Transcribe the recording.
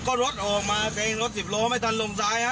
ก็รถออกมาก็เองรถ๑๐โลไม่ทันลงซ้ายให้